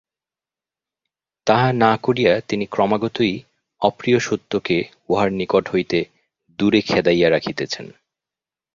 তাহা না করিয়া তিনি ক্রমাগতই অপ্রিয় সত্যকে উহার নিকট হইতে দূরে খেদাইয়া রাখিতেছেন।